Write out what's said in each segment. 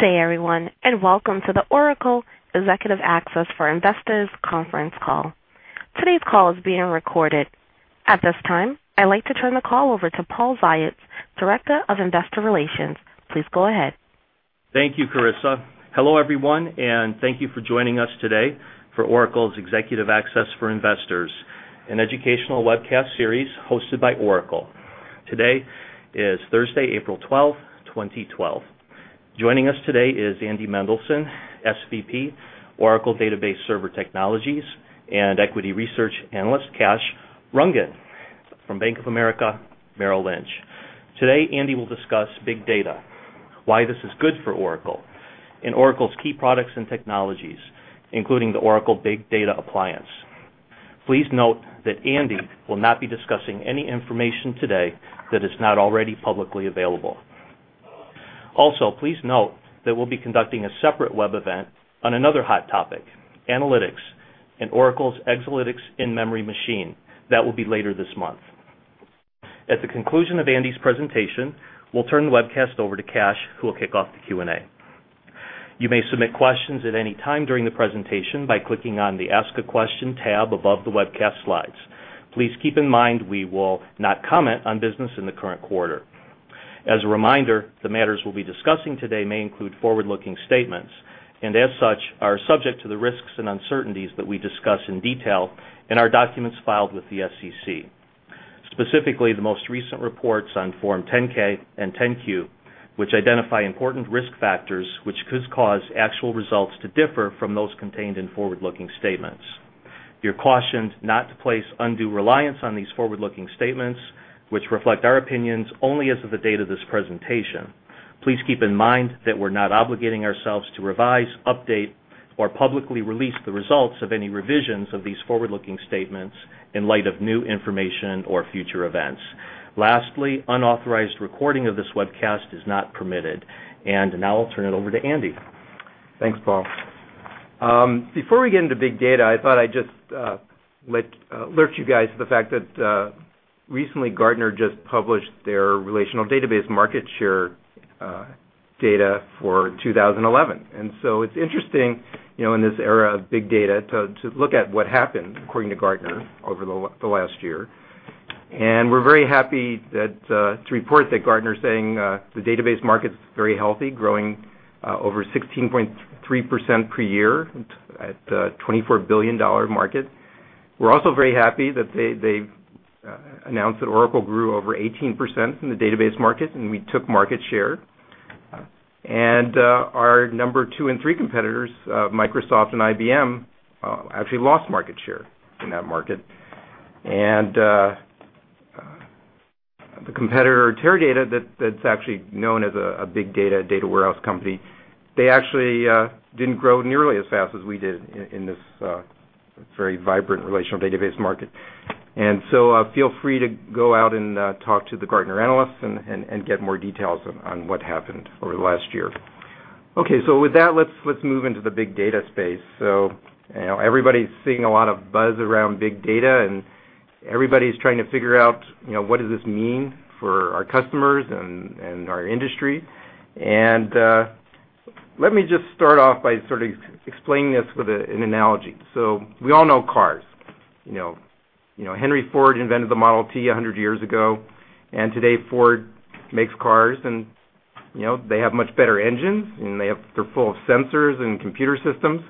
Good day, everyone, and welcome to the Oracle Executive Access for Investors conference call. Today's call is being recorded. At this time, I'd like to turn the call over to Paul Ziots, Director of Investor Relations. Please go ahead. Thank you, Carissa. Hello, everyone, and thank you for joining us today for Oracle's Executive Access for Investors, an educational webcast series hosted by Oracle. Today is Thursday, April 12, 2012. Joining us today is Andy Mendelsohn, SVP, Oracle Database Server Technologies, and Equity Research Analyst, Kash Rangan from Bank of America Merrill Lynch. Today, Andy will discuss big data, why this is good for Oracle, and Oracle's key products and technologies, including the Oracle Big Data Appliance. Please note that Andy will not be discussing any information today that is not already publicly available. Also, please note that we'll be conducting a separate web event on another hot topic, analytics and Oracle's Exalytics in-memory machine. That will be later this month. At the conclusion of Andy's presentation, we'll turn the webcast over to Kash, who will kick off the Q&A. You may submit questions at any time during the presentation by clicking on the Ask a Question tab above the webcast slides. Please keep in mind we will not comment on business in the current quarter. As a reminder, the matters we'll be discussing today may include forward-looking statements, and as such, are subject to the risks and uncertainties that we discuss in detail in our documents filed with the SEC. Specifically, the most recent reports on Form 10-K and 10-Q, which identify important risk factors which could cause actual results to differ from those contained in forward-looking statements. You're cautioned not to place undue reliance on these forward-looking statements, which reflect our opinions only as of the date of this presentation. Please keep in mind that we're not obligating ourselves to revise, update, or publicly release the results of any revisions of these forward-looking statements in light of new information or future events. Lastly, unauthorized recording of this webcast is not permitted. Now I'll turn it over to Andy. Thanks, Paul. Before we get into big data, I thought I'd just alert you guys to the fact that recently Gartner just published their relational database market share data for 2011. It's interesting, you know, in this era of big data to look at what happened, according to Gartner, over the last year. We're very happy to report that Gartner is saying the database market is very healthy, growing over 16.3% per year at a $24 billion market. We're also very happy that they announced that Oracle grew over 18% in the database market, and we took market share. Our number two and three competitors, Microsoft and IBM, actually lost market share in that market. The competitor Teradata, that's actually known as a big data data warehouse company, actually didn't grow nearly as fast as we did in this very vibrant relational database market. Feel free to go out and talk to the Gartner analysts and get more details on what happened over the last year. OK, with that, let's move into the big data space. Everybody's seeing a lot of buzz around big data, and everybody's trying to figure out what does this mean for our customers and our industry. Let me just start off by sort of explaining this with an analogy. We all know cars. You know, Henry Ford invented the Model T 100 years ago. Today, Ford makes cars, and they have much better engines, and they're full of sensors and computer systems.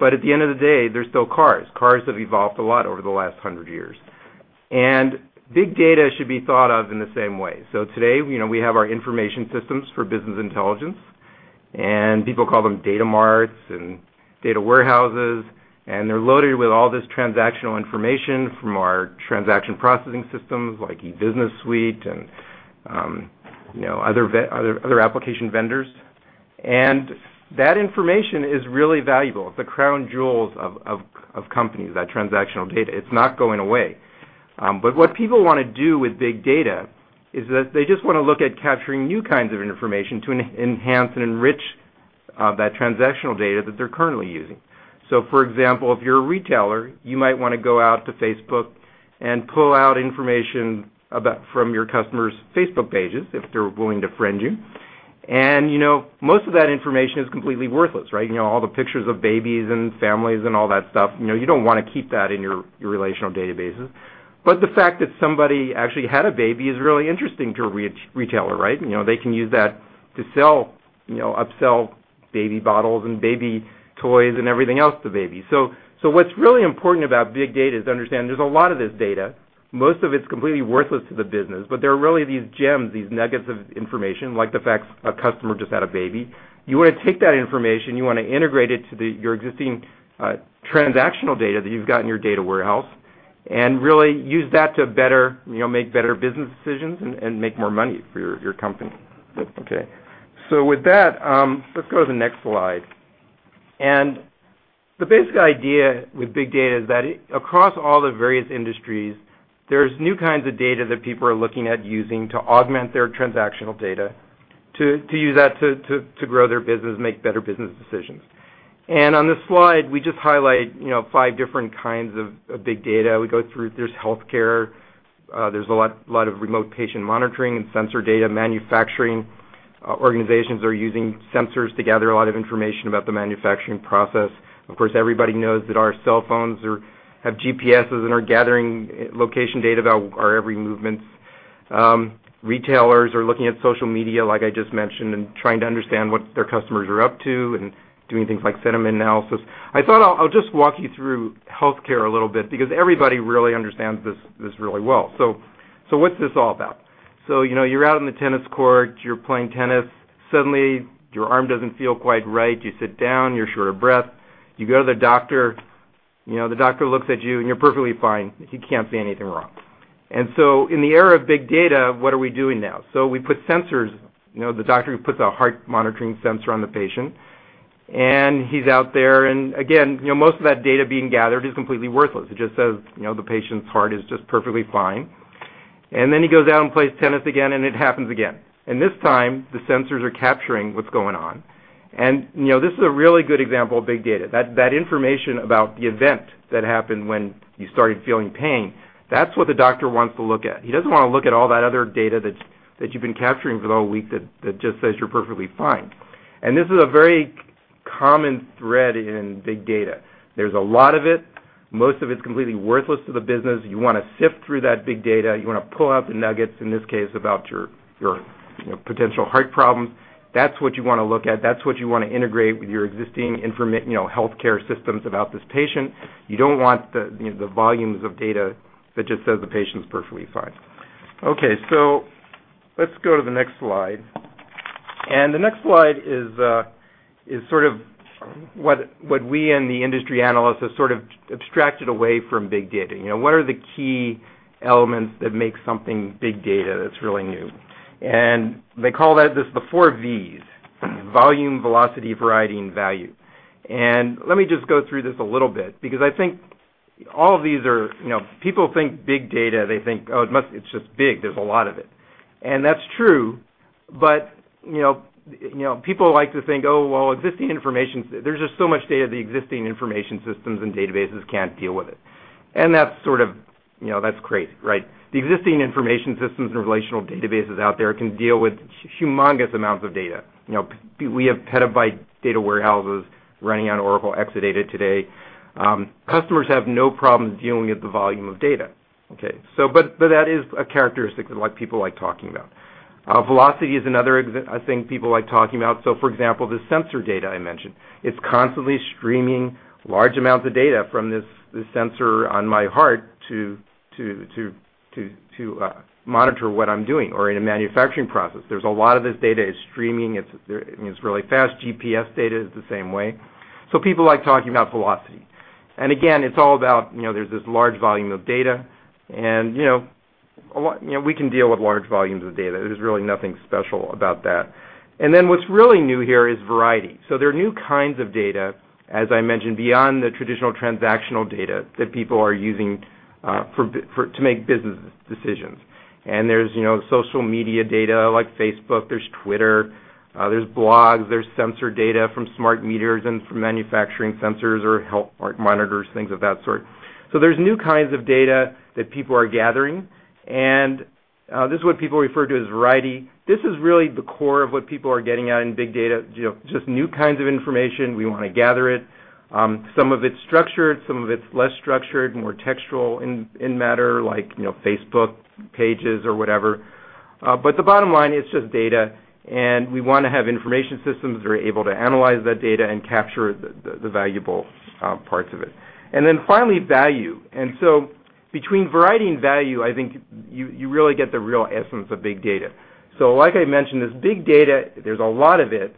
At the end of the day, they're still cars. Cars have evolved a lot over the last 100 years. Big data should be thought of in the same way. Today, we have our information systems for business intelligence. People call them data marts and data warehouses. They're loaded with all this transactional information from our transaction processing systems, like e-Business Suite and other application vendors. That information is really valuable. It's the crown jewels of companies, that transactional data. It's not going away. What people want to do with big data is that they just want to look at capturing new kinds of information to enhance and enrich that transactional data that they're currently using. For example, if you're a retailer, you might want to go out to Facebook and pull out information from your customers' Facebook pages, if they're willing to friend you. Most of that information is completely worthless, right? You know, all the pictures of babies and families and all that stuff. You don't want to keep that in your relational databases. The fact that somebody actually had a baby is really interesting to a retailer, right? They can use that to upsell baby bottles and baby toys and everything else to babies. What's really important about big data is to understand there's a lot of this data. Most of it's completely worthless to the business, but there are really these gems, these nuggets of information, like the fact a customer just had a baby. You want to take that information, integrate it to your existing transactional data that you've got in your data warehouse, and really use that to make better business decisions and make more money for your company. OK, with that, let's go to the next slide. The basic idea with big data is that across all the various industries, there's new kinds of data that people are looking at using to augment their transactional data, to use that to grow their business and make better business decisions. On this slide, we just highlight five different kinds of big data. We go through health care. There's a lot of remote patient monitoring and sensor data. Manufacturing organizations are using sensors to gather a lot of information about the manufacturing process. Of course, everybody knows that our cell phones have GPSs and are gathering location data about our every movement. Retailers are looking at social media, like I just mentioned, and trying to understand what their customers are up to and doing things like sentiment analysis. I'll just walk you through health care a little bit, because everybody really understands this really well. What's this all about? You're out on the tennis court, you're playing tennis, suddenly your arm doesn't feel quite right. You sit down, you're short of breath, you go to the doctor. The doctor looks at you, and you're perfectly fine. He can't see anything wrong. In the era of big data, what are we doing now? We put sensors. The doctor puts a heart monitoring sensor on the patient, and he's out there. Again, most of that data being gathered is completely worthless. It just says the patient's heart is just perfectly fine. He goes out and plays tennis again, and it happens again. This time, the sensors are capturing what's going on. This is a really good example of big data. That information about the event that happened when you started feeling pain, that's what the doctor wants to look at. He doesn't want to look at all that other data that you've been capturing for the whole week that just says you're perfectly fine. This is a very common thread in big data. There's a lot of it. Most of it's completely worthless to the business. You want to sift through that big data. You want to pull out the nuggets, in this case, about your potential heart problems. That's what you want to look at. That's what you want to integrate with your existing health care systems about this patient. You don't want the volumes of data that just says the patient's perfectly fine. OK, let's go to the next slide. The next slide is sort of what we and the industry analysts have sort of abstracted away from big data. What are the key elements that make something big data that's really new? They call this the four Vs: volume, velocity, variety, and value. Let me just go through this a little bit, because I think all of these are, you know, people think big data, they think, oh, it must be just big. There's a lot of it. That's true. People like to think, oh, well, existing information, there's just so much data the existing information systems and databases can't deal with it. That's sort of, you know, that's crazy, right? The existing information systems and relational databases out there can deal with humongous amounts of data. We have petabyte data warehouses running on Oracle Exadata today. Customers have no problems dealing with the volume of data. OK, that is a characteristic that people like talking about. Velocity is another thing people like talking about. For example, the sensor data I mentioned, it's constantly streaming large amounts of data from this sensor on my heart to monitor what I'm doing. In a manufacturing process, there's a lot of this data streaming. It's really fast. GPS data is the same way. People like talking about velocity. Again, it's all about, you know, there's this large volume of data. We can deal with large volumes of data. There's really nothing special about that. What's really new here is variety. There are new kinds of data, as I mentioned, beyond the traditional transactional data that people are using to make business decisions. There's social media data, like Facebook. There's Twitter. There's blogs. There's sensor data from smart meters and from manufacturing sensors or heart monitors, things of that sort. There's new kinds of data that people are gathering. This is what people refer to as variety. This is really the core of what people are getting at in big data, just new kinds of information. We want to gather it. Some of it's structured. Some of it's less structured, more textual in matter, like Facebook pages or whatever. The bottom line, it's just data. We want to have information systems that are able to analyze that data and capture the valuable parts of it. Finally, value. Between variety and value, I think you really get the real essence of big data. Like I mentioned, this big data, there's a lot of it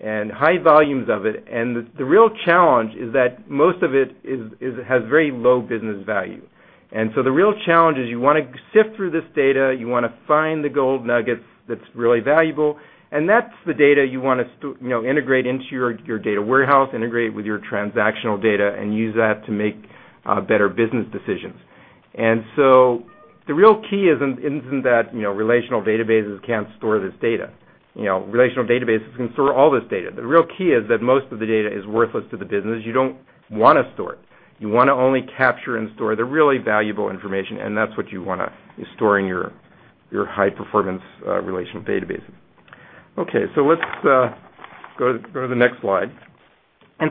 and high volumes of it. The real challenge is that most of it has very low business value. The real challenge is you want to sift through this data. You want to find the gold nuggets that's really valuable. That's the data you want to integrate into your data warehouse, integrate with your transactional data, and use that to make better business decisions. The real key isn't that relational databases can't store this data. Relational databases can store all this data. The real key is that most of the data is worthless to the business. You don't want to store it. You want to only capture and store the really valuable information. That's what you want to store in your high-performance relational databases. OK, let's go to the next slide.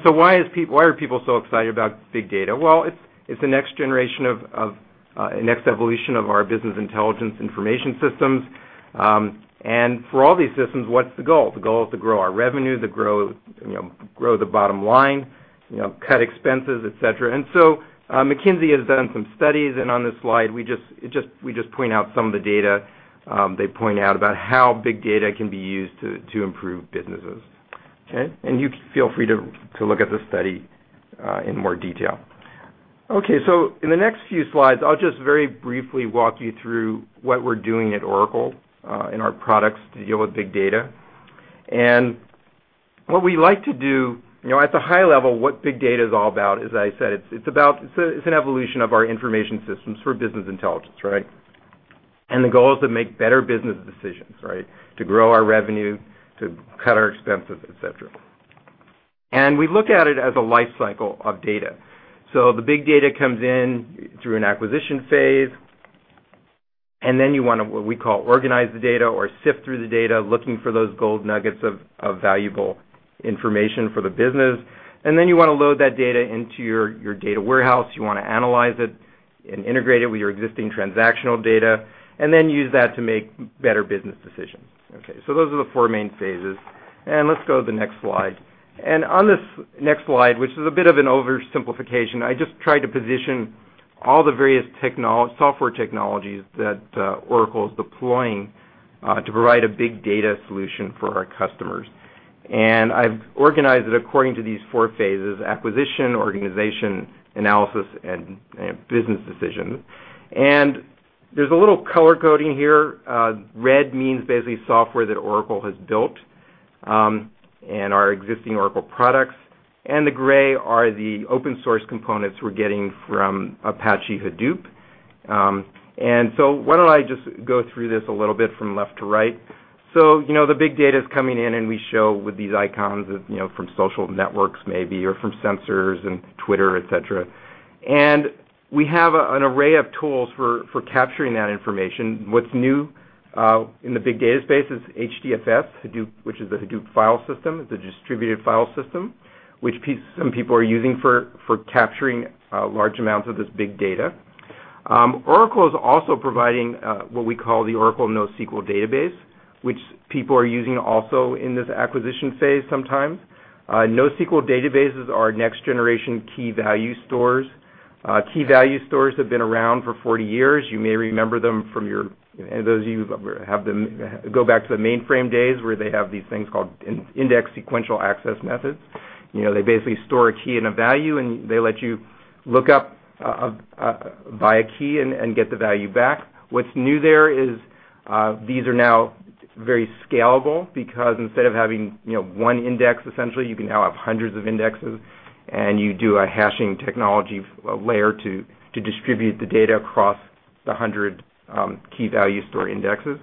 Why are people so excited about big data? It's the next generation of the next evolution of our business intelligence information systems. For all these systems, what's the goal? The goal is to grow our revenue, to grow the bottom line, cut expenses, etc. McKinsey has done some studies. On this slide, we just point out some of the data they point out about how big data can be used to improve businesses. You feel free to look at the study in more detail. OK, in the next few slides, I'll just very briefly walk you through what we're doing at Oracle in our products to deal with big data. What we like to do at the high level, what big data is all about is, as I said, it's an evolution of our information systems for business intelligence. The goal is to make better business decisions, to grow our revenue, to cut our expenses, etc. We look at it as a life cycle of data. The big data comes in through an acquisition phase. You want to, what we call, organize the data or sift through the data, looking for those gold nuggets of valuable information for the business. You want to load that data into your data warehouse, analyze it, and integrate it with your existing transactional data, and then use that to make better business decisions. Those are the four main phases. Let's go to the next slide. On this next slide, which is a bit of an oversimplification, I just tried to position all the various software technologies that Oracle is deploying to provide a big data solution for our customers. I've organized it according to these four phases: acquisition, organization, analysis, and business decisions. There's a little color coding here. Red means basically software that Oracle has built and our existing Oracle products. The gray are the open source components we're getting from Apache Hadoop. Why don't I just go through this a little bit from left to right? The big data is coming in, and we show with these icons from social networks, maybe, or from sensors and Twitter, et cetera. We have an array of tools for capturing that information. What's new in the big data space is HDFS, which is the Hadoop file system, the distributed file system, which some people are using for capturing large amounts of this big data. Oracle is also providing what we call the Oracle NoSQL Database, which people are using also in this acquisition phase sometimes. NoSQL databases are next-generation key value stores. Key value stores have been around for 40 years. You may remember them, and those of you who have them, go back to the mainframe days, where they have these things called indexed sequential access methods. They basically store a key and a value, and they let you look up by a key and get the value back. What's new there is these are now very scalable, because instead of having one index, essentially, you can now have hundreds of indexes. You do a hashing technology layer to distribute the data across the 100 key value store indexes.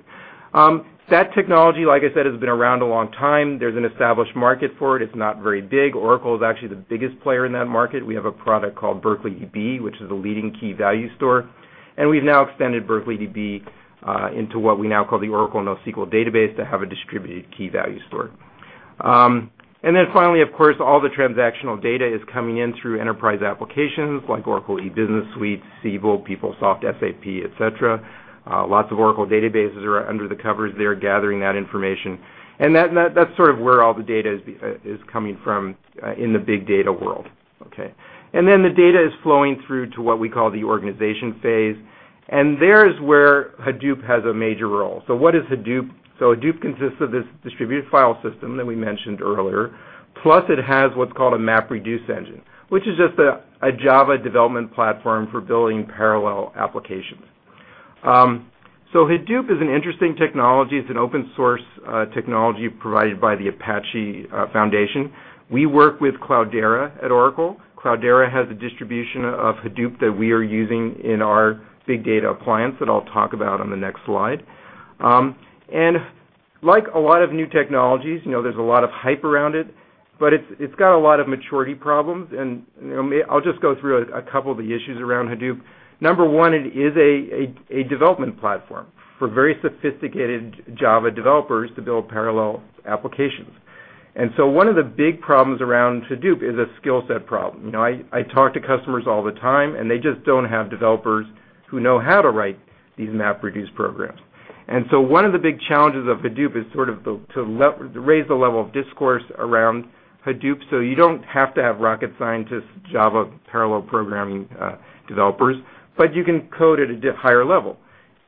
That technology, like I said, has been around a long time. There's an established market for it. It's not very big. Oracle is actually the biggest player in that market. We have a product called BerkeleyDB, which is the leading key value store. We have now extended BerkeleyDB into what we now call the Oracle NoSQL Database to have a distributed key value store. Finally, of course, all the transactional data is coming in through enterprise applications, like Oracle e-Business Suite, PeopleSoft, SAP, et cetera. Lots of Oracle databases are under the covers there gathering that information. That is sort of where all the data is coming from in the big data world. OK, the data is flowing through to what we call the organization phase. There is where Hadoop has a major role. What is Hadoop? Hadoop consists of this distributed file system that we mentioned earlier. It has what is called a MapReduce engine, which is just a Java development platform for building parallel applications. Hadoop is an interesting technology. It is an open source technology provided by the Apache Foundation. We work with Cloudera at Oracle. Cloudera has a distribution of Hadoop that we are using in our Oracle Big Data Appliance that I'll talk about on the next slide. Like a lot of new technologies, there is a lot of hype around it, but it has a lot of maturity problems. I'll just go through a couple of the issues around Hadoop. Number one, it is a development platform for very sophisticated Java developers to build parallel applications. One of the big problems around Hadoop is a skill set problem. I talk to customers all the time, and they just don't have developers who know how to write these MapReduce programs. One of the big challenges of Hadoop is to raise the level of discourse around Hadoop. You don't have to have rocket scientists, Java parallel programming developers, but you can code at a higher level.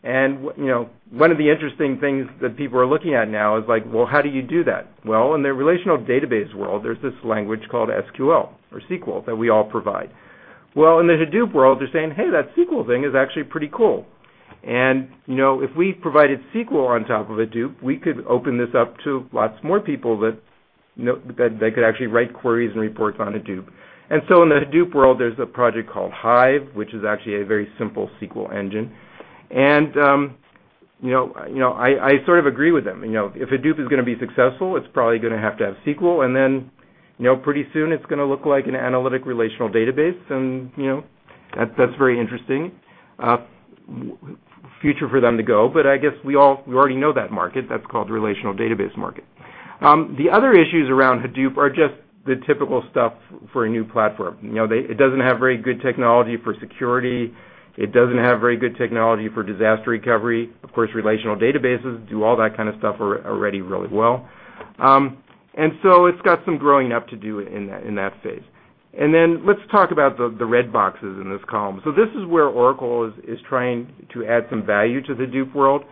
One of the interesting things that people are looking at now is, how do you do that? In the relational database world, there is this language called SQL or SQL that we all provide. In the Hadoop world, they're saying, that SQL thing is actually pretty cool. If we provided SQL on top of Hadoop, we could open this up to lots more people that could actually write queries and reports on Hadoop. In the Hadoop world, there is a project called Hive, which is actually a very simple SQL engine. I sort of agree with them. If Hadoop is going to be successful, it is probably going to have to have SQL. Pretty soon, it is going to look like an analytic relational database. That's a very interesting future for them to go. I guess we already know that market. That's called the relational database market. The other issues around Hadoop are just the typical stuff for a new platform. It doesn't have very good technology for security. It doesn't have very good technology for disaster recovery. Of course, relational databases do all that kind of stuff already really well. It's got some growing up to do in that phase. Let's talk about the red boxes in this column. This is where Oracle is trying to add some value to the Hadoop world.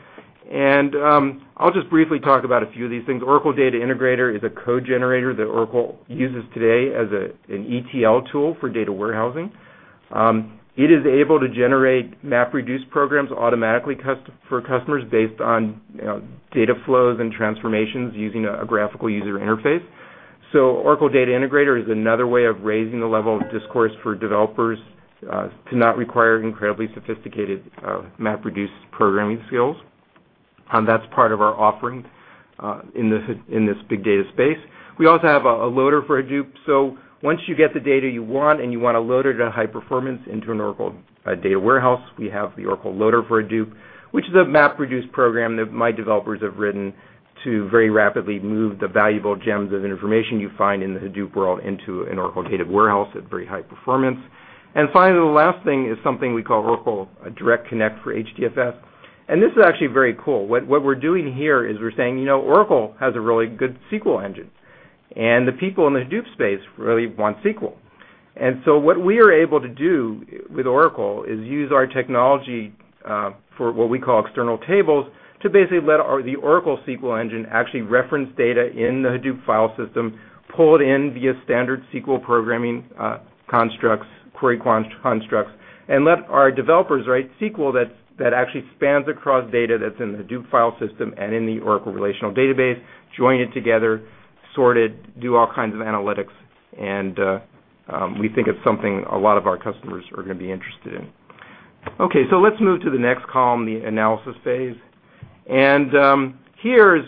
I'll just briefly talk about a few of these things. Oracle Data Integrator is a code generator that Oracle uses today as an ETL tool for data warehousing. It is able to generate MapReduce programs automatically for customers based on data flows and transformations using a graphical user interface. Oracle Data Integrator is another way of raising the level of discourse for developers to not require incredibly sophisticated MapReduce programming skills. That's part of our offering in this big data space. We also have a loader for Hadoop. Once you get the data you want and you want to load it at a high performance into an Oracle data warehouse, we have the Oracle Loader for Hadoop, which is a MapReduce program that my developers have written to very rapidly move the valuable gems of information you find in the Hadoop world into an Oracle data warehouse at very high performance. Finally, the last thing is something we call Oracle Direct Connect for HDFS. This is actually very cool. What we're doing here is we're saying, you know, Oracle has a really good SQL engine. The people in the Hadoop space really want SQL. What we are able to do with Oracle is use our technology for what we call external tables to basically let the Oracle SQL engine actually reference data in the Hadoop file system, pull it in via standard SQL programming constructs, query constructs, and let our developers write SQL that actually spans across data that's in the Hadoop file system and in the Oracle relational database, join it together, sort it, do all kinds of analytics. We think it's something a lot of our customers are going to be interested in. Let's move to the next column, the analysis phase. Here is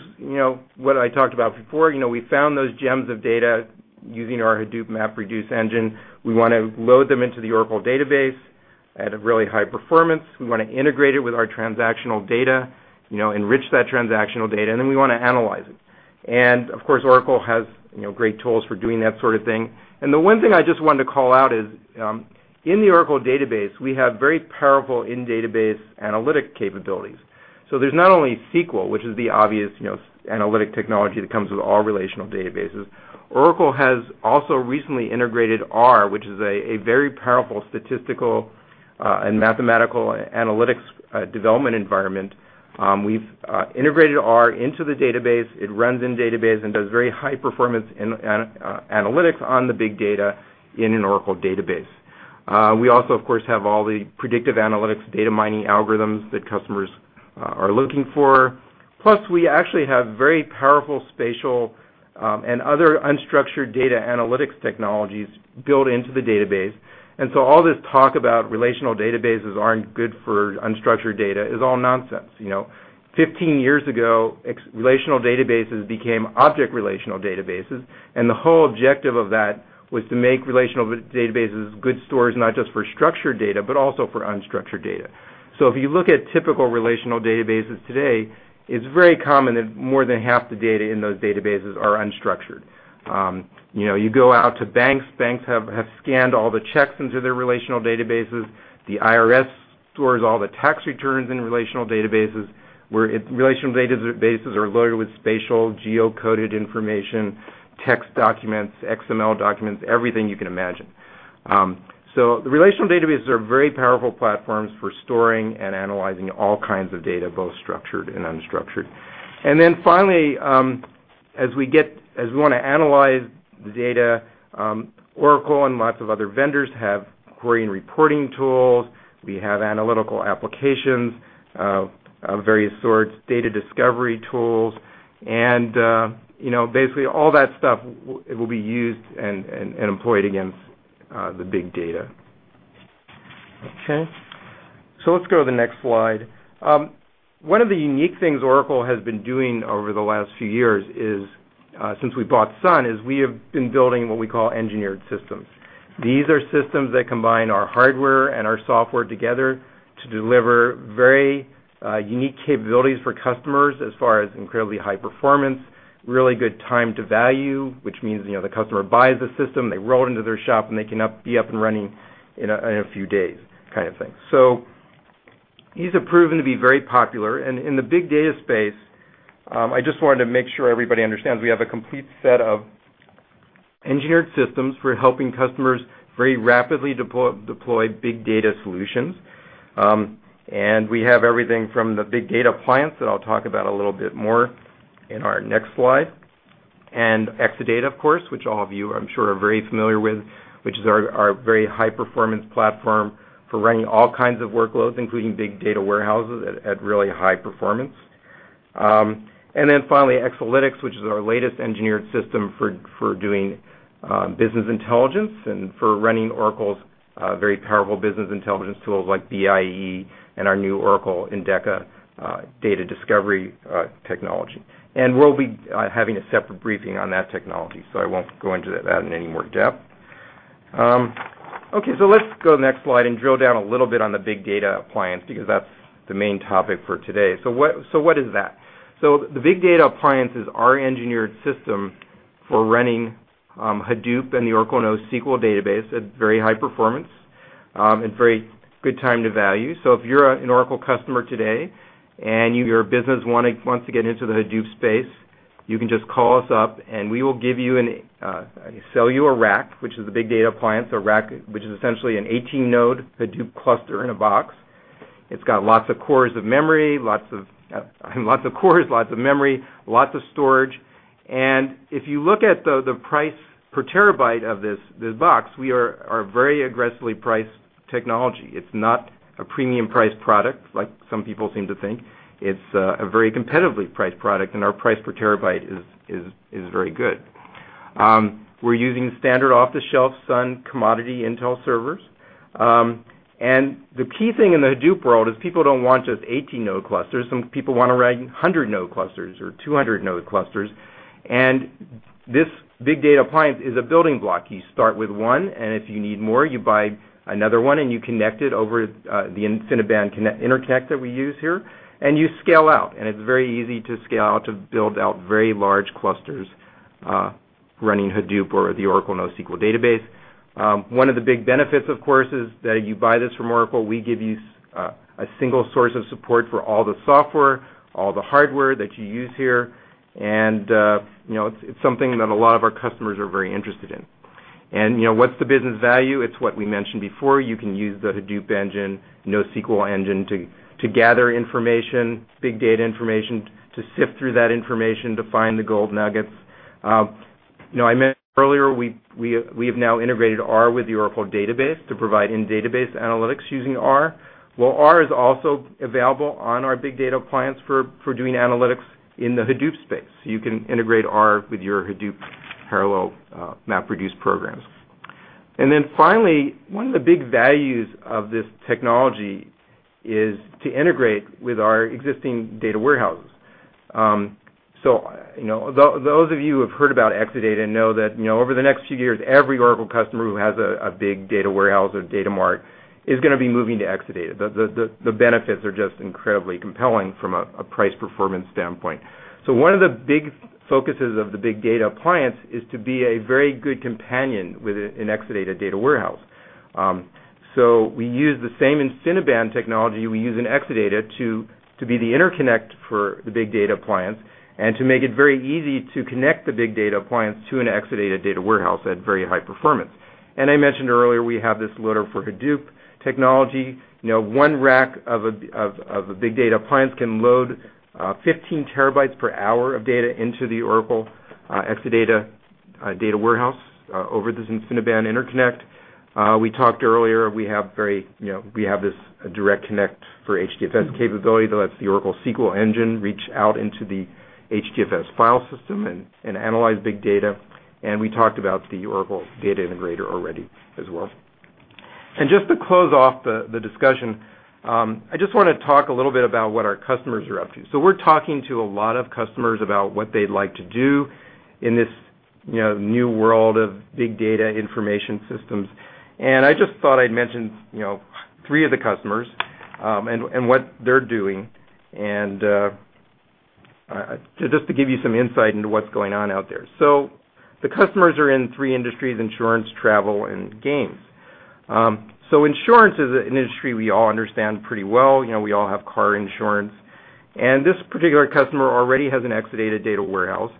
what I talked about before. We found those gems of data using our Hadoop MapReduce engine. We want to load them into the Oracle Database at a really high performance. We want to integrate it with our transactional data, enrich that transactional data, and then we want to analyze it. Of course, Oracle has great tools for doing that sort of thing. The one thing I just wanted to call out is in the Oracle Database, we have very powerful in-database analytic capabilities. There's not only SQL, which is the obvious analytic technology that comes with all relational databases. Oracle has also recently integrated R, which is a very powerful statistical and mathematical analytics development environment. We've integrated R into the database. It runs in the database and does very high-performance analytics on the big data in an Oracle Database. We also, of course, have all the predictive analytics data mining algorithms that customers are looking for. Plus, we actually have very powerful spatial and other unstructured data analytics technologies built into the database. All this talk about relational databases aren't good for unstructured data is all nonsense. Fifteen years ago, relational databases became object relational databases. The whole objective of that was to make relational databases good stores, not just for structured data, but also for unstructured data. If you look at typical relational databases today, it's very common that more than half the data in those databases are unstructured. You go out to banks. Banks have scanned all the checks into their relational databases. The IRS stores all the tax returns in relational databases, where relational databases are loaded with spatial, geocoded information, text documents, XML documents, everything you can imagine. The relational databases are very powerful platforms for storing and analyzing all kinds of data, both structured and unstructured. Finally, as we want to analyze the data, Oracle and lots of other vendors have query and reporting tools. We have analytical applications of various sorts, data discovery tools, and basically, all that stuff will be used and employed against the big data. OK, let's go to the next slide. One of the unique things Oracle has been doing over the last few years is, since we bought Sun, we have been building what we call engineered systems. These are systems that combine our hardware and our software together to deliver very unique capabilities for customers, as far as incredibly high performance, really good time to value, which means the customer buys the system, they roll it into their shop, and they can be up and running in a few days, kind of thing. These have proven to be very popular. In the big data space, I just wanted to make sure everybody understands we have a complete set of engineered systems for helping customers very rapidly deploy big data solutions. We have everything from the Oracle Big Data Appliance that I'll talk about a little bit more in our next slide, and Oracle Exadata, of course, which all of you, I'm sure, are very familiar with, which is our very high-performance platform for running all kinds of workloads, including big data warehouses at really high performance. Finally, Exalytics, which is our latest engineered system for doing business intelligence and for running Oracle's very powerful business intelligence tools, like BIE and our new Oracle Endeca data discovery technology. We'll be having a separate briefing on that technology. I won't go into that in any more depth. OK, let's go to the next slide and drill down a little bit on the Oracle Big Data Appliance, because that's the main topic for today. What is that? The Oracle Big Data Appliance is our engineered system for running Hadoop and the Oracle NoSQL Database at very high performance and very good time to value. If you're an Oracle customer today and you're a business who wants to get into the Hadoop space, you can just call us up, and we will sell you a rack, which is the Oracle Big Data Appliance. A rack, which is essentially an 18-node Hadoop cluster in a box. It's got lots of cores, lots of memory, lots of storage. If you look at the price per terabyte of this box, we are a very aggressively priced technology. It's not a premium-priced product, like some people seem to think. It's a very competitively priced product. Our price per terabyte is very good. We're using standard off-the-shelf Sun commodity Intel servers. The key thing in the Hadoop world is people don't want just 18-node clusters. Some people want to run 100-node clusters or 200-node clusters. This Oracle Big Data Appliance is a building block. You start with one. If you need more, you buy another one, and you connect it over the InfiniBand interconnector we use here. You scale out. It is very easy to scale out to build out very large clusters running Hadoop or the Oracle NoSQL Database. One of the big benefits, of course, is that you buy this from Oracle. We give you a single source of support for all the software and all the hardware that you use here. It is something that a lot of our customers are very interested in. What is the business value? It is what we mentioned before. You can use the Hadoop engine and NoSQL engine to gather information, big data information, to sift through that information to find the gold nuggets. I mentioned earlier, we have now integrated R with the Oracle Database to provide in-database analytics using R. R is also available on our Oracle Big Data Appliance for doing analytics in the Hadoop space. You can integrate R with your Hadoop parallel MapReduce programs. One of the big values of this technology is to integrate with our existing data warehouses. Those of you who have heard about Oracle Exadata know that over the next few years, every Oracle customer who has a big data warehouse or data mart is going to be moving to Exadata. The benefits are just incredibly compelling from a price performance standpoint. One of the big focuses of the Oracle Big Data Appliance is to be a very good companion with an Exadata data warehouse. We use the same InfiniBand technology we use in Exadata to be the interconnect for the Oracle Big Data Appliance and to make it very easy to connect the Oracle Big Data Appliance to an Exadata data warehouse at very high performance. I mentioned earlier, we have this loader for Hadoop technology. One rack of an Oracle Big Data Appliance can load 15 terabytes per hour of data into the Oracle Exadata data warehouse over this InfiniBand interconnect. We talked earlier, we have this direct connect for HDFS capability that lets the Oracle SQL engine reach out into the HDFS file system and analyze big data. We talked about the Oracle Data Integrator already as well. To close off the discussion, I want to talk a little bit about what our customers are up to. We are talking to a lot of customers about what they would like to do in this new world of big data information systems. I thought I would mention three of the customers and what they are doing, just to give you some insight into what is going on out there. The customers are in three industries: insurance, travel, and games. Insurance is an industry we all understand pretty well. We all have car insurance. This particular customer already has an Oracle Exadata data warehouse.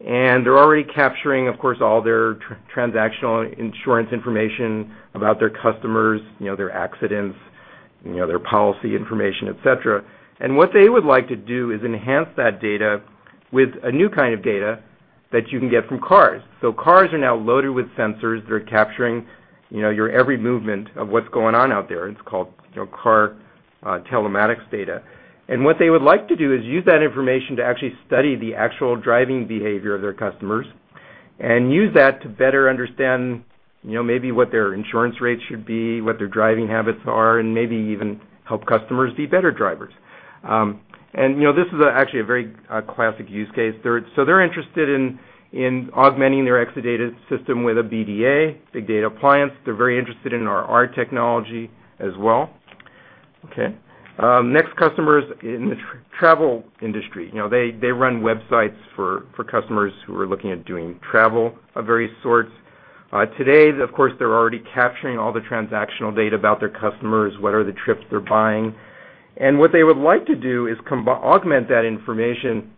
They're already capturing, of course, all their transactional insurance information about their customers, their accidents, their policy information, et cetera. What they would like to do is enhance that data with a new kind of data that you can get from cars. Cars are now loaded with sensors. They're capturing your every movement of what's going on out there. It's called car telematics data. What they would like to do is use that information to actually study the actual driving behavior of their customers and use that to better understand maybe what their insurance rates should be, what their driving habits are, and maybe even help customers be better drivers. This is actually a very classic use case. They're interested in augmenting their Oracle Exadata system with an Oracle Big Data Appliance, big data appliance. They're very interested in our R technology as well. Next customer is in the travel industry. They run websites for customers who are looking at doing travel of various sorts. Today, of course, they're already capturing all the transactional data about their customers, what are the trips they're buying. What they would like to do is augment that information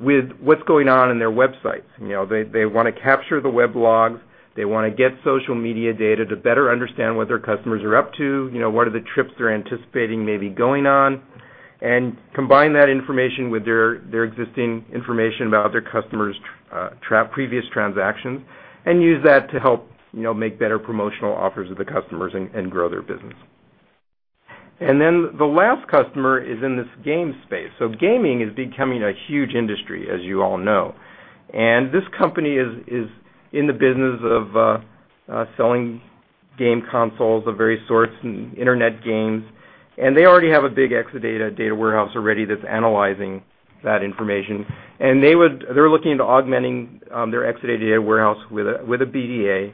with what's going on in their websites. They want to capture the web logs. They want to get social media data to better understand what their customers are up to, what are the trips they're anticipating maybe going on, and combine that information with their existing information about their customers' previous transactions and use that to help make better promotional offers to the customers and grow their business. The last customer is in this game space. Gaming is becoming a huge industry, as you all know. This company is in the business of selling game consoles of various sorts and internet games. They already have a big Oracle Exadata data warehouse already that's analyzing that information. They're looking into augmenting their Oracle Exadata data warehouse with an Oracle Big Data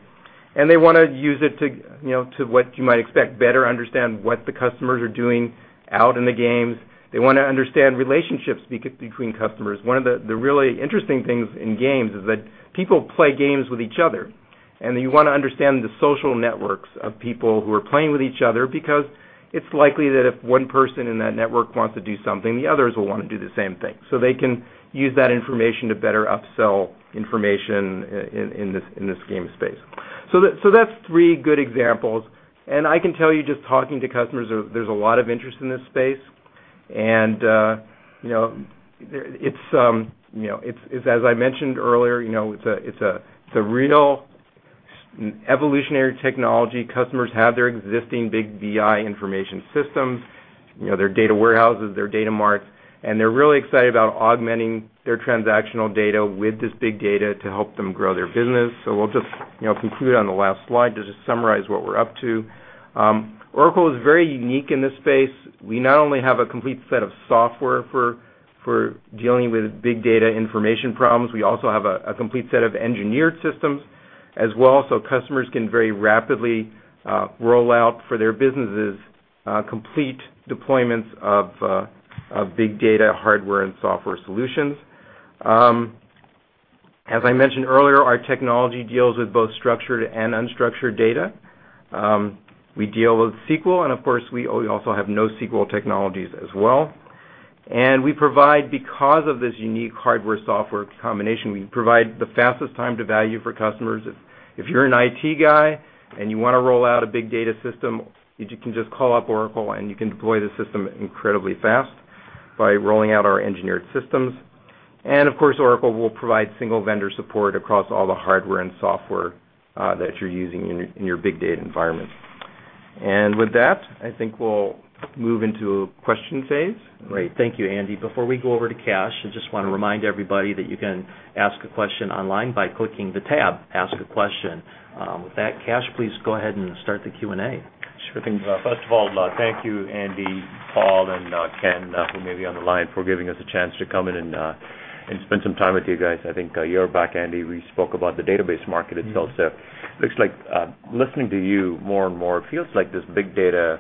Appliance. They want to use it to, what you might expect, better understand what the customers are doing out in the games. They want to understand relationships between customers. One of the really interesting things in games is that people play games with each other. You want to understand the social networks of people who are playing with each other, because it's likely that if one person in that network wants to do something, the others will want to do the same thing. They can use that information to better upsell information in this game space. That's three good examples. I can tell you, just talking to customers, there's a lot of interest in this space. As I mentioned earlier, it's a real evolutionary technology. Customers have their existing big business intelligence systems, their data warehouses, their data marts. They're really excited about augmenting their transactional data with this big data to help them grow their business. To conclude on the last slide, just to summarize what we're up to, Oracle is very unique in this space. We not only have a complete set of software for dealing with big data information problems, we also have a complete set of engineered systems as well. Customers can very rapidly roll out for their businesses complete deployments of big data hardware and software solutions. As I mentioned earlier, our technology deals with both structured and unstructured data. We deal with SQL, and of course, we also have NoSQL technologies as well. We provide, because of this unique hardware-software combination, the fastest time to value for customers. If you're an IT guy and you want to roll out a big data system, you can just call up Oracle, and you can deploy the system incredibly fast by rolling out our engineered systems. Oracle will provide single vendor support across all the hardware and software that you're using in your big data environment. With that, I think we'll move into a question phase. Right. Thank you, Andy. Before we go over to Kash, I just want to remind everybody that you can ask a question online by clicking the tab, Ask a Question. With that, Kash, please go ahead and start the Q&A. Sure thing. First of all, thank you, Andy, Paul, and Ken, who may be on the line, for giving us a chance to come in and spend some time with you guys. I think you're back, Andy. We spoke about the database market itself. It looks like listening to you more and more, it feels like this big data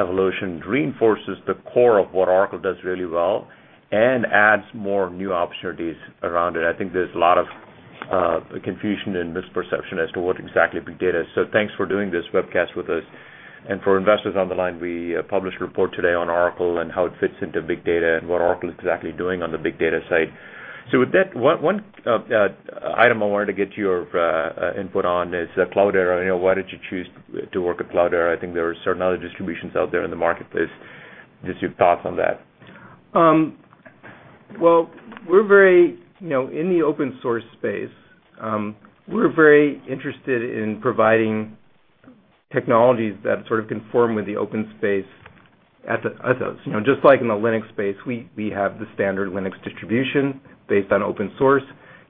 evolution reinforces the core of what Oracle does really well and adds more new opportunities around it. I think there's a lot of confusion and misperception as to what exactly big data is. Thank you for doing this webcast with us. For investors on the line, we published a report today on Oracle and how it fits into big data and what Oracle is exactly doing on the big data side. With that, one item I wanted to get your input on is Cloudera. Why did you choose to work at Cloudera? I think there are certain other distributions out there in the marketplace. Just your thoughts on that. We are very in the open source space. We are very interested in providing technologies that sort of conform with the open space ethos. Just like in the Linux space, we have the standard Linux distribution based on open source.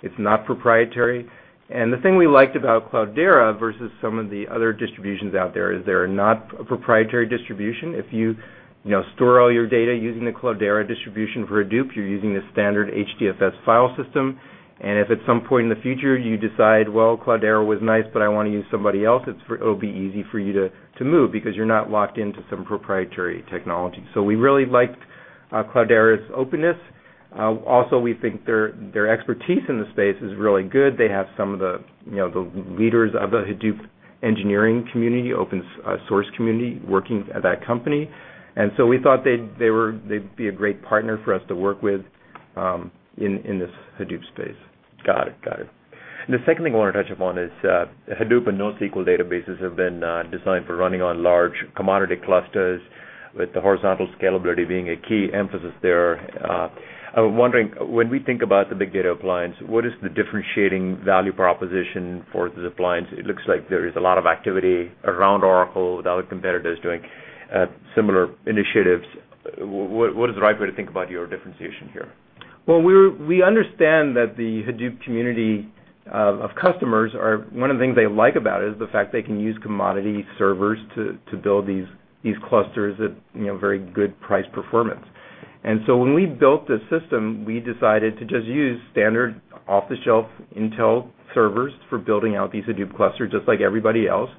It's not proprietary. The thing we liked about Cloudera versus some of the other distributions out there is they're not a proprietary distribution. If you store all your data using the Cloudera distribution for Hadoop, you're using the standard HDFS file system. If at some point in the future you decide Cloudera was nice, but you want to use somebody else, it'll be easy for you to move, because you're not locked into some proprietary technology. We really liked Cloudera's openness. Also, we think their expertise in the space is really good. They have some of the leaders of the Hadoop engineering community, open source community, working at that company. We thought they'd be a great partner for us to work with in this Hadoop space. Got it. The second thing I want to touch upon is Hadoop and NoSQL databases have been designed for running on large commodity clusters, with the horizontal scalability being a key emphasis there. I'm wondering, when we think about the Oracle Big Data Appliance, what is the differentiating value proposition for this appliance? It looks like there is a lot of activity around Oracle with other competitors doing similar initiatives. What is the right way to think about your differentiation here? We understand that the Hadoop community of customers, one of the things they like about it is the fact they can use commodity servers to build these clusters at very good price performance. When we built this system, we decided to just use standard off-the-shelf Intel servers for building out these Hadoop clusters, just like everybody else.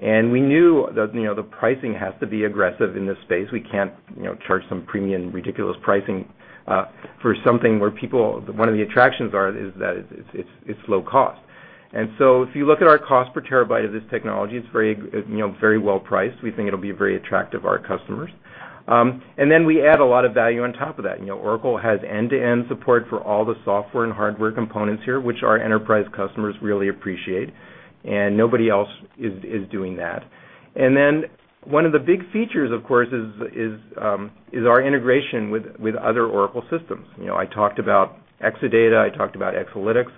We knew that the pricing has to be aggressive in this space. We can't charge some premium, ridiculous pricing for something where one of the attractions is that it's low cost. If you look at our cost per terabyte of this technology, it's very well priced. We think it'll be very attractive to our customers. We add a lot of value on top of that. Oracle has end-to-end support for all the software and hardware components here, which our enterprise customers really appreciate. Nobody else is doing that. One of the big features, of course, is our integration with other Oracle systems. I talked about Oracle Exadata. I talked about Oracle Exalytics.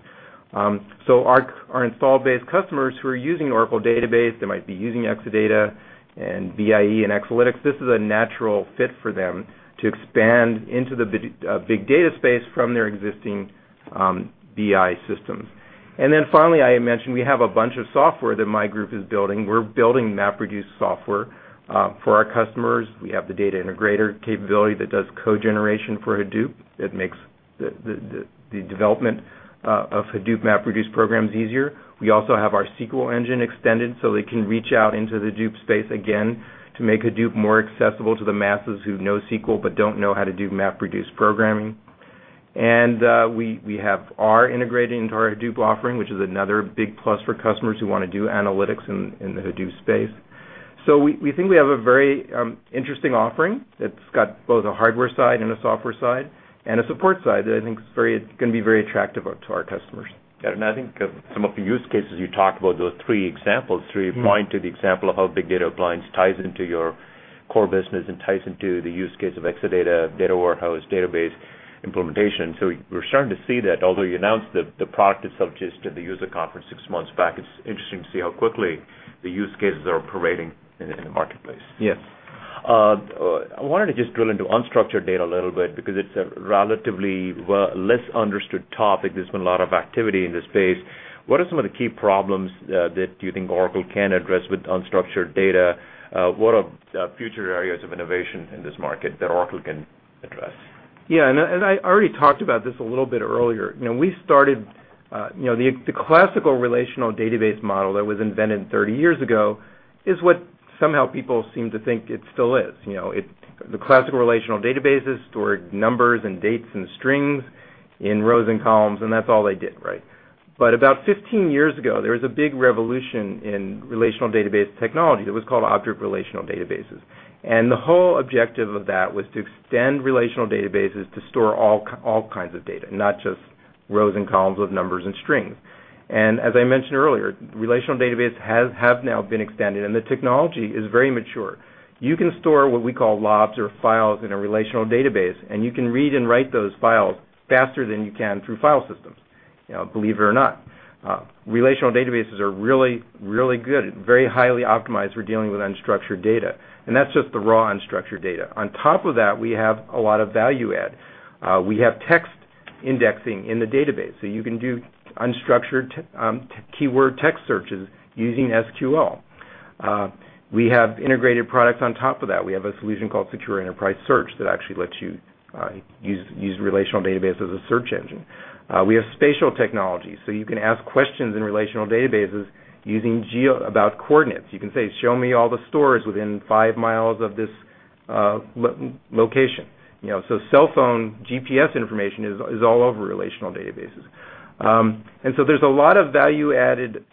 Our install-based customers who are using Oracle Database, they might be using Oracle Exadata and BIE and Oracle Exalytics. This is a natural fit for them to expand into the big data space from their existing business intelligence systems. I mentioned we have a bunch of software that my group is building. We're building MapReduce software for our customers. We have the Oracle Data Integrator capability that does code generation for Hadoop. It makes the development of Hadoop MapReduce programs easier. We also have our SQL engine extended so they can reach out into the Hadoop space again to make Hadoop more accessible to the masses who know SQL but don't know how to do MapReduce programming. We have R integrated into our Hadoop offering, which is another big plus for customers who want to do analytics in the Hadoop space. We think we have a very interesting offering that's got both a hardware side and a software side and a support side that I think is going to be very attractive to our customers. I think some of the use cases you talked about, those three examples, point to the example of how Oracle Big Data Appliance ties into your core business and ties into the use case of Oracle Exadata, data warehouse, database implementation. We're starting to see that. Although you announced the product itself just at the user conference six months back, it's interesting to see how quickly the use cases are pervading in the marketplace. Yes. I wanted to just drill into unstructured data a little bit, because it's a relatively less understood topic. There's been a lot of activity in this space. What are some of the key problems that you think Oracle can address with unstructured data? What are future areas of innovation in this market that Oracle can address? Yeah, as I already talked about this a little bit earlier, we started the classical relational database model that was invented 30 years ago is what somehow people seem to think it still is. The classical relational databases stored numbers and dates and strings in rows and columns, and that's all they did, right? About 15 years ago, there was a big revolution in relational database technology that was called object relational databases. The whole objective of that was to extend relational databases to store all kinds of data, not just rows and columns of numbers and strings. As I mentioned earlier, relational databases have now been extended, and the technology is very mature. You can store what we call LOBs or files in a relational database, and you can read and write those files faster than you can through file systems, believe it or not. Relational databases are really, really good, very highly optimized for dealing with unstructured data. That's just the raw unstructured data. On top of that, we have a lot of value add. We have text indexing in the database, so you can do unstructured keyword text searches using SQL. We have integrated products on top of that. We have a solution called Secure Enterprise Search that actually lets you use relational databases as a search engine. We have spatial technology, so you can ask questions in relational databases using geo about coordinates. You can say, show me all the stores within five miles of this location. Cell phone GPS information is all over relational databases. There's a lot of value added.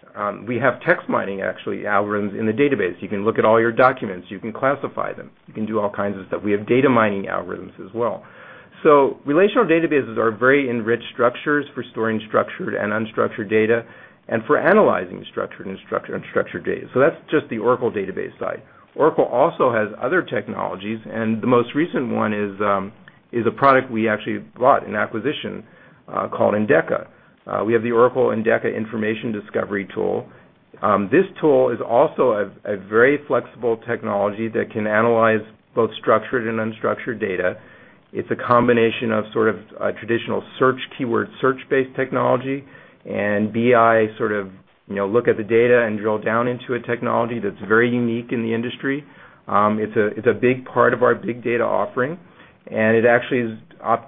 We have text mining, actually, algorithms in the database. You can look at all your documents. You can classify them. You can do all kinds of stuff. We have data mining algorithms as well. Relational databases are very enriched structures for storing structured and unstructured data and for analyzing structured and unstructured data. That's just the Oracle database side. Oracle also has other technologies. The most recent one is a product we actually bought in acquisition called Endeca. We have the Oracle Endeca Information Discovery tool. This tool is also a very flexible technology that can analyze both structured and unstructured data. It's a combination of sort of traditional search keyword search-based technology and BI sort of look at the data and drill down into a technology that's very unique in the industry. It's a big part of our big data offering. It actually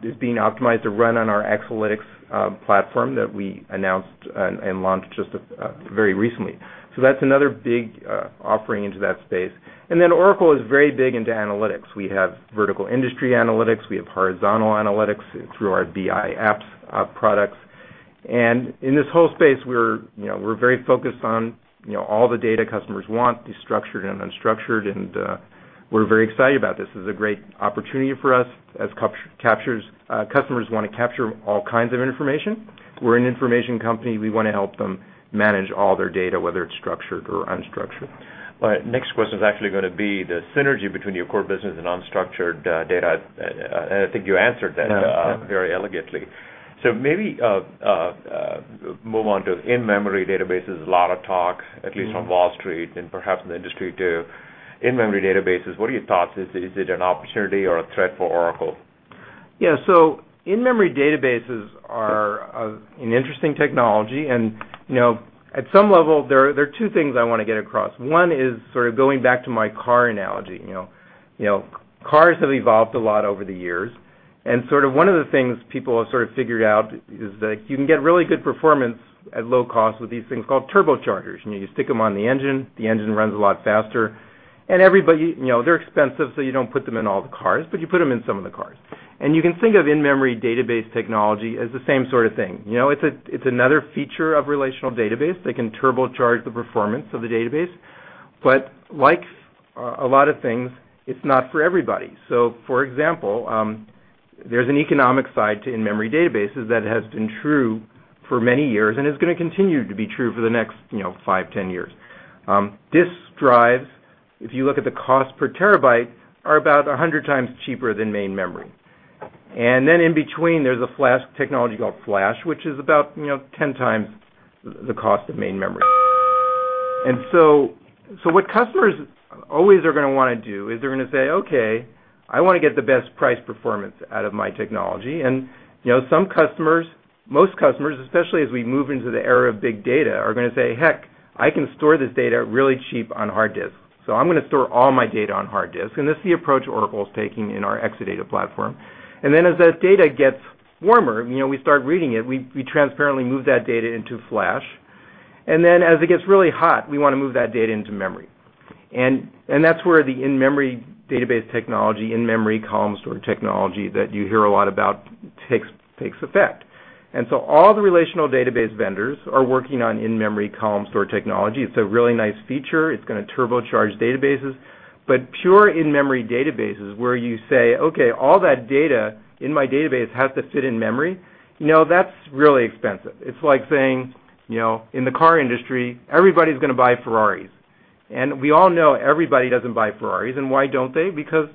is being optimized to run on our Oracle Exalytics platform that we announced and launched just very recently. That is another big offering into that space. Oracle is very big into analytics. We have vertical industry analytics and we have horizontal analytics through our BI apps products. In this whole space, we're very focused on all the data customers want, the structured and unstructured. We're very excited about this. This is a great opportunity for us as customers want to capture all kinds of information. We're an information company. We want to help them manage all their data, whether it's structured or unstructured. My next question is actually going to be the synergy between your core business and unstructured data. I think you answered that very elegantly. Maybe move on to in-memory databases. A lot of talk, at least on Wall Street and perhaps in the industry too, in-memory databases. What are your thoughts? Is it an opportunity or a threat for Oracle? Yeah, in-memory databases are an interesting technology. At some level, there are two things I want to get across. One is going back to my car analogy. Cars have evolved a lot over the years. One of the things people have figured out is that you can get really good performance at low cost with these things called turbochargers. You stick them on the engine, the engine runs a lot faster. They're expensive, so you don't put them in all the cars, but you put them in some of the cars. You can think of in-memory database technology as the same sort of thing. It's another feature of relational database. They can turbocharge the performance of the database. Like a lot of things, it's not for everybody. For example, there's an economic side to in-memory databases that has been true for many years and is going to continue to be true for the next 5, 10 years. Disk drives, if you look at the cost per terabyte, are about 100 times cheaper than main memory. In between, there's a technology called Flash, which is about 10 times the cost of main memory. What customers always are going to want to do is say, OK, I want to get the best price performance out of my technology. Some customers, most customers, especially as we move into the era of big data, are going to say, heck, I can store this data really cheap on hard disks. I'm going to store all my data on hard disks. This is the approach Oracle is taking in our Oracle Exadata platform. As that data gets warmer, we start reading it, we transparently move that data into Flash. As it gets really hot, we want to move that data into memory. That's where the in-memory database technology, in-memory column store technology that you hear a lot about, takes effect. All the relational database vendors are working on in-memory column store technology. It's a really nice feature. It's going to turbocharge databases. Pure in-memory databases, where you say, OK, all that data in my database has to fit in memory, that's really expensive. It's like saying, in the car industry, everybody's going to buy Ferraris. We all know everybody doesn't buy Ferraris. Why don't they? Because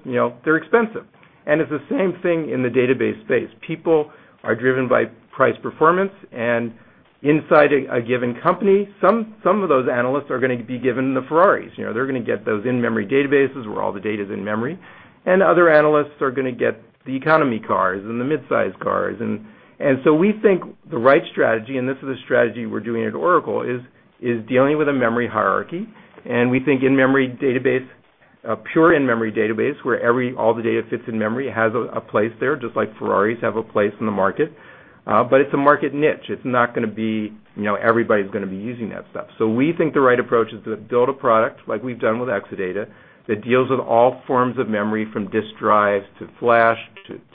they're expensive. It's the same thing in the database space. People are driven by price performance. Inside a given company, some of those analysts are going to be given the Ferraris. They're going to get those in-memory databases where all the data is in memory. Other analysts are going to get the economy cars and the midsize cars. We think the right strategy, and this is a strategy we're doing at Oracle, is dealing with a memory hierarchy. We think in-memory database, a pure in-memory database, where all the data fits in memory, has a place there, just like Ferraris have a place in the market. It's a market niche. It's not going to be everybody's going to be using that stuff. We think the right approach is to build a product, like we've done with Oracle Exadata, that deals with all forms of memory, from disk drives to Flash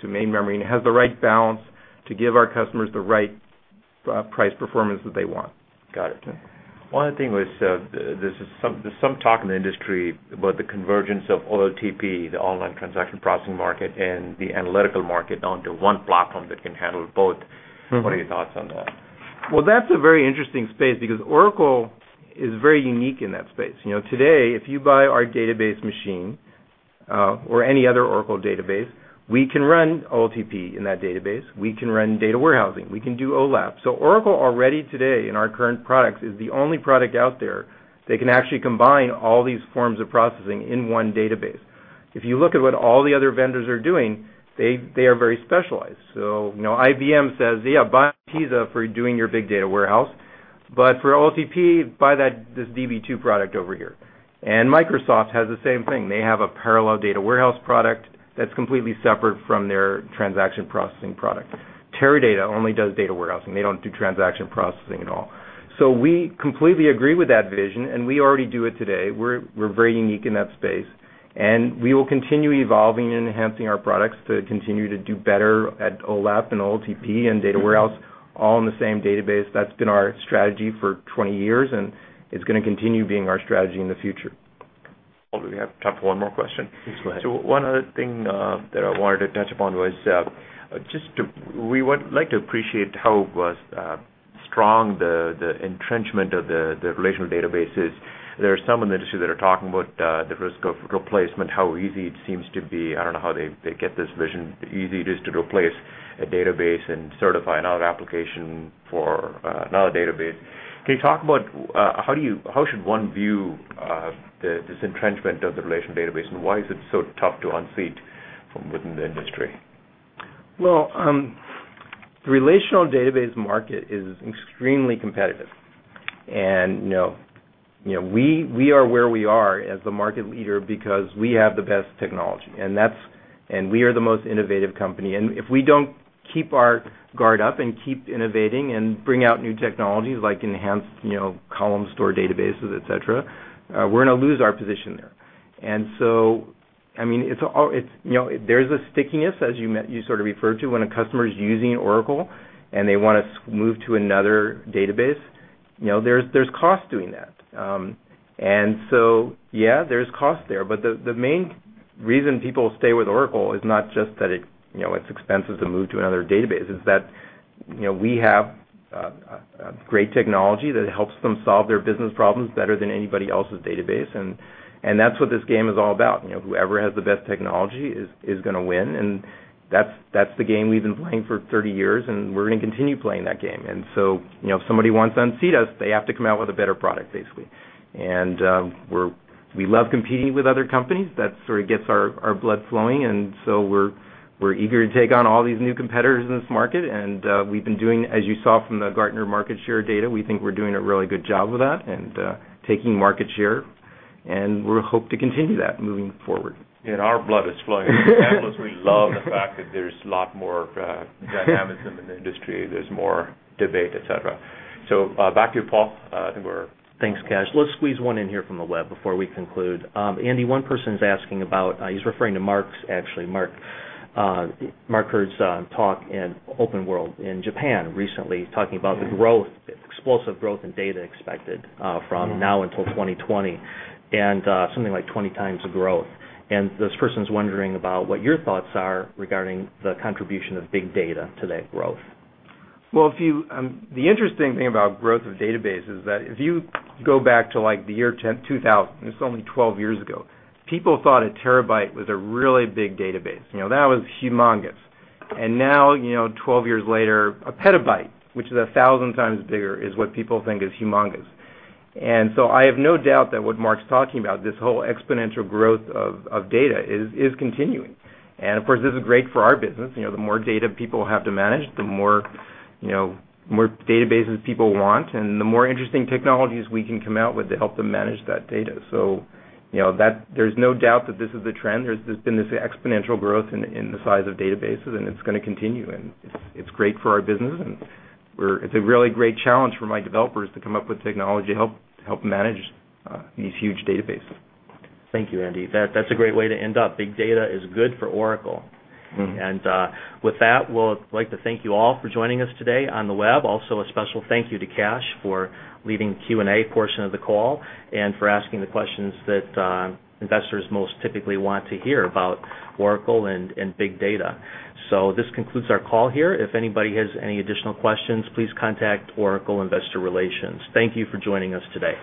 to main memory, and has the right balance to give our customers the right price performance that they want. Got it. One other thing was there's some talk in the industry about the convergence of OLTP, the online transaction processing market, and the analytical market onto one platform that can handle both. What are your thoughts on that? That's a very interesting space, because Oracle is very unique in that space. Today, if you buy our database machine or any other Oracle database, we can run OLTP in that database. We can run data warehousing. We can do OLAP. Oracle already today in our current products is the only product out there that can actually combine all these forms of processing in one database. If you look at what all the other vendors are doing, they are very specialized. IBM says, yeah, buy PISA for doing your big data warehouse. For OLTP, buy this DB2 product over here. Microsoft has the same thing. They have a parallel data warehouse product that's completely separate from their transaction processing product. Teradata only does data warehousing. They don't do transaction processing at all. We completely agree with that vision. We already do it today. We're very unique in that space, and we will continue evolving and enhancing our products to continue to do better at OLAP and OLTP and data warehouse, all in the same database. That's been our strategy for 20 years, and it's going to continue being our strategy in the future. Do we have time for one more question? Please go ahead. One other thing that I wanted to touch upon was just we would like to appreciate how strong the entrenchment of the relational database is. There are some in the industry that are talking about the risk of replacement, how easy it seems to be. I don't know how they get this vision, easy it is to replace a database and certify another application for another database. Can you talk about how should one view this entrenchment of the relational database? Why is it so tough to unseat from within the industry? The relational database market is extremely competitive. We are where we are as the market leader because we have the best technology. We are the most innovative company. If we do not keep our guard up and keep innovating and bring out new technologies, like enhanced column store databases, et cetera, we are going to lose our position there. There is a stickiness, as you sort of referred to, when a customer is using Oracle and they want to move to another database. There is cost doing that. There is cost there. The main reason people stay with Oracle is not just that it is expensive to move to another database. It is that we have great technology that helps them solve their business problems better than anybody else's database. That is what this game is all about. Whoever has the best technology is going to win. That is the game we have been playing for 30 years, and we are going to continue playing that game. If somebody wants to unseat us, they have to come out with a better product, basically. We love competing with other companies. That sort of gets our blood flowing. We are eager to take on all these new competitors in this market. We have been doing, as you saw from the Gartner market share data, we think we are doing a really good job of that and taking market share. We hope to continue that moving forward. Our blood is flowing in the campus. We love the fact that there's a lot more dynamics in the industry. There's more debate, et cetera. Back to you, Paul. Thanks, Kash. Let's squeeze one in here from the web before we conclude. Andy, one person is asking about, he's referring to Mark, actually. Mark heard some talk in OpenWorld in Japan recently talking about the growth, explosive growth in data expected from now until 2020, and something like 20 times the growth. This person is wondering about what your thoughts are regarding the contribution of big data to that growth. The interesting thing about growth of database is that if you go back to like the year 2000, it's only 12 years ago, people thought a terabyte was a really big database. That was humongous. Now, 12 years later, a petabyte, which is 1,000 times bigger, is what people think is humongous. I have no doubt that what Mark's talking about, this whole exponential growth of data, is continuing. Of course, this is great for our business. The more data people have to manage, the more databases people want, and the more interesting technologies we can come out with to help them manage that data. There's no doubt that this is the trend. There's been this exponential growth in the size of databases, and it's going to continue. It's great for our business, and it's a really great challenge for my developers to come up with technology to help manage these huge databases. Thank you, Andy. That's a great way to end up. Big data is good for Oracle. We would like to thank you all for joining us today on the web. Also, a special thank you to Kash for leading the Q&A portion of the call and for asking the questions that investors most typically want to hear about Oracle and big data. This concludes our call here. If anybody has any additional questions, please contact Oracle Investor Relations. Thank you for joining us today.